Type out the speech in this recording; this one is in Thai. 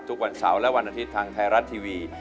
ทุกวันเสาร์และวันอาทิตย์ทางไทยรัฐทีวี